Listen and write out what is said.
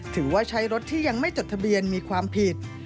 ถือว่าใช้รถที่ยังไม่จดทะเบียนมีความผิด